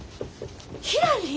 ひらり！？